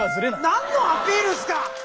何のアピールっすか？